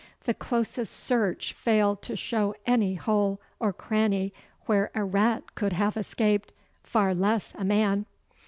The closest search failed to show any hole or cranny where a rat could have escaped, far less a man.